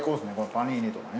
パニーニとかね。